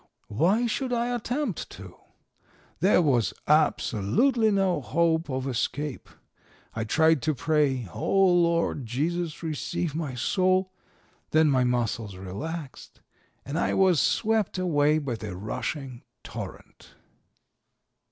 Why should I attempt to? There was absolutely no hope of escape. I tried to pray 'Oh, Lord Jesus, receive my soul.' Then my muscles relaxed and I was swept away by the rushing torrent.